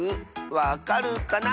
わかるかな？